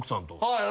はい。